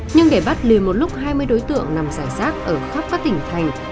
nhưng để bắt liền một lúc hai mươi đối tượng nằm giải sát ở khắp các tỉnh thành